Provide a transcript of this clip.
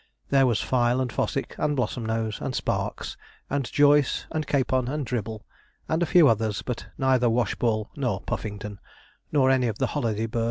There was Fyle, and Fossick, and Blossomnose, and Sparks, and Joyce, and Capon, and Dribble, and a few others, but neither Washball nor Puffington, nor any of the holiday birds.